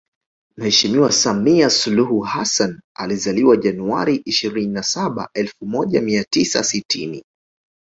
Mheshimiwa Samia Suluhu Hassan alizaliwa Januari ishirini na saba elfu moja mia tisa sitini